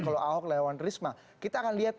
kalau ahok lewat risma kita akan lihat